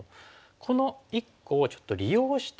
この１個をちょっと利用して。